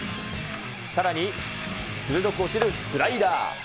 さらに鋭く落ちるスライダー。